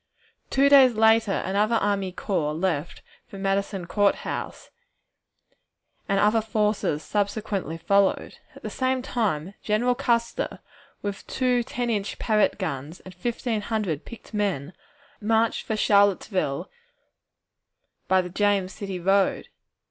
Two days later another army corps left for Madison Court House, and other forces subsequently followed. At the same time General Custer, with two ten inch Parrott guns and fifteen hundred picked men, marched for Charlottesville by the James City road.